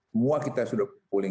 semua kita sudah pulih